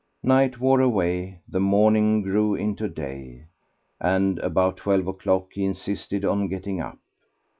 Night wore away, the morning grew into day, and about twelve o'clock he insisted on getting up.